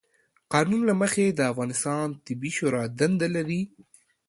قانون له مخې، د افغانستان طبي شورا دنده لري،